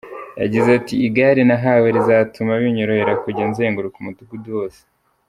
Yagize ati “Igare nahawe rizatuma binyorohera kujya nzenguruka umudugudu wose.